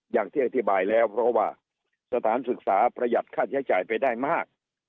อย่างที่อธิบายแล้วเพราะว่าสถานศึกษาประหยัดค่าใช้จ่ายไปได้มาก